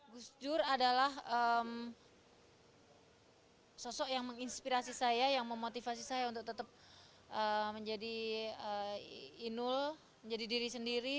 gus dur adalah sosok yang menginspirasi saya yang memotivasi saya untuk tetap menjadi inul menjadi diri sendiri